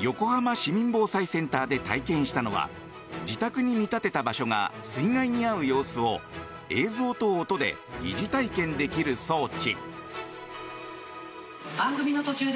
横浜市民防災センターで体験したのは自宅に見立てた場所が水害に遭う様子を映像と音で疑似体験できる装置。